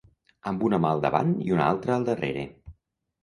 Amb una mà al davant i una altra al darrere.